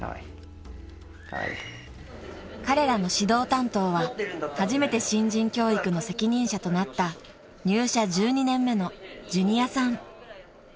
［彼らの指導担当は初めて新人教育の責任者となった入社１２年目のジュニアさん］